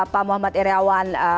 pak muhammad iryawan